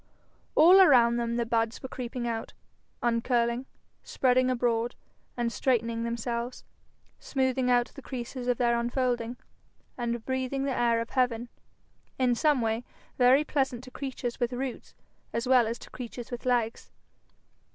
All around them the buds were creeping out, uncurling, spreading abroad, straightening themselves, smoothing out the creases of their unfolding, and breathing the air of heaven in some way very pleasant to creatures with roots as well as to creatures with legs.